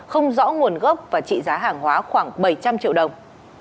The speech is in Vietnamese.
không rõ nguồn gốc và trị giá hàng hóa khoảng bảy trăm linh triệu đồng